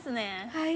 はい。